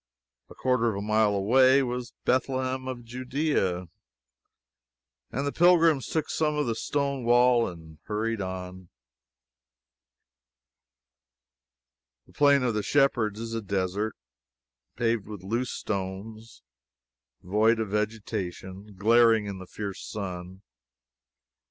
A quarter of a mile away was Bethlehem of Judea, and the pilgrims took some of the stone wall and hurried on. The Plain of the Shepherds is a desert, paved with loose stones, void of vegetation, glaring in the fierce sun.